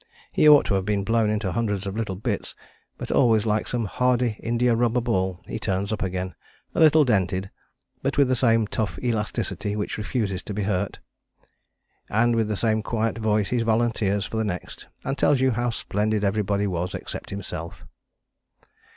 He ought to have been blown into hundreds of little bits, but always like some hardy indiarubber ball he turns up again, a little dented, but with the same tough elasticity which refuses to be hurt. And with the same quiet voice he volunteers for the next, and tells you how splendid everybody was except himself.